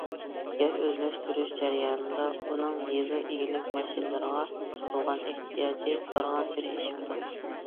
يەر ئۆزلەشتۈرۈش جەريانىدا ئۇنىڭ يېزا ئىگىلىك ماشىنىلىرىغا بولغان ئېھتىياجى بارغانسېرى ئېشىپتۇ.